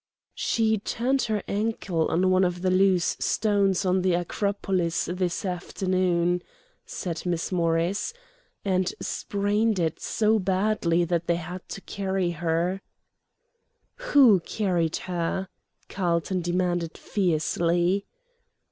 "She turned her ankle on one of the loose stones on the Acropolis this afternoon," said Miss Morris, "and sprained it so badly that they had to carry her " "Who carried her?" Carlton demanded, fiercely.